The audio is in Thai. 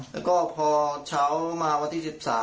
แล้วก็พอเช้ามาวันที่๑๓